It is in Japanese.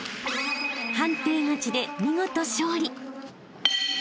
［判定勝ちで見事勝利］